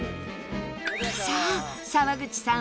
さあ沢口さん